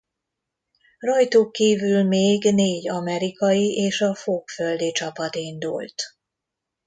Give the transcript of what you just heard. Rajtuk kívül még négy amerikai és a fokföldi csapat indult.